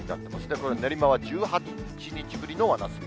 これ、練馬は１８日ぶりの真夏日。